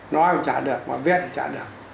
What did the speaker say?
nói cũng chả được mà viết cũng chả được